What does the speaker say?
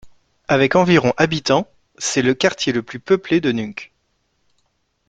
Avec environ habitants, c'est le quartier le plus peuplé de Nuuk.